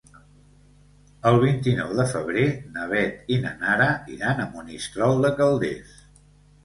El vint-i-nou de febrer na Beth i na Nara iran a Monistrol de Calders.